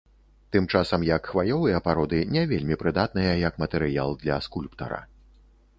Тым часам як хваёвыя пароды не вельмі прыдатныя як матэрыял для скульптара.